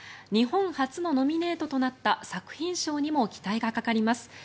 日本初ノミネートとなった作品賞にも期待がかかります。